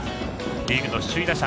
リーグ首位打者。